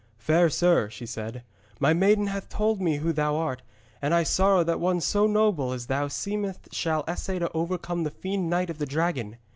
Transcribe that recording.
'Fair sir,' she said, 'my maiden hath told me who thou art, and I sorrow that one so noble as thou seemest shall essay to overcome the fiend knight of the Dragon.